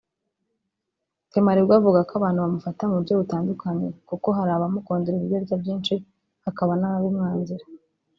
Temarigwe avuga ko abantu bamufata mu buryo butandukanye kuko hari abamukundira uburyo arya byinshi hakaba n’ababimwangira